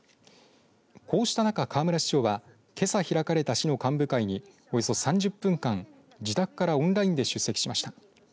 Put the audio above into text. こうした中、河村市長はけさ開かれた市の幹部会におよそ３０分間、自宅からオンラインで出席しました。